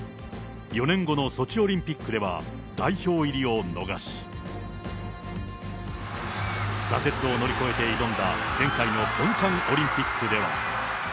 ４年後のソチオリンピックでは、代表入りを逃し、挫折を乗り越えて挑んだ前回のピョンチャンオリンピックでは。